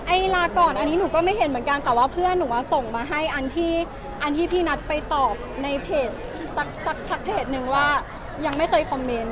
ลาก่อนอันนี้หนูก็ไม่เห็นเหมือนกันแต่ว่าเพื่อนหนูส่งมาให้อันที่อันที่พี่นัทไปตอบในเพจสักเพจนึงว่ายังไม่เคยคอมเมนต์